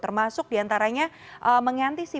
termasuk diantaranya mengantisipasi